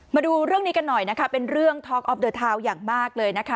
มาดูเรื่องนี้กันหน่อยนะคะเป็นเรื่องท็อกออฟเดอร์ทาวน์อย่างมากเลยนะคะ